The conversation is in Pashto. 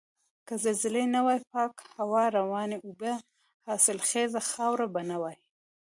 که زلزلې نه وای پاکه هوا، روانې اوبه، حاصلخیزه خاوره به نه وای.